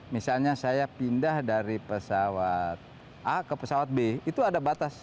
misalnya saya pindah dari pesawat a ke pesawat b itu ada batas